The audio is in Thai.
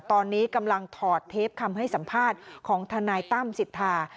ตอนนี้กำลังถอดเทปคำให้สัมภาษณ์ของทนายตั้มสิทธา